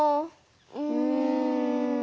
うん。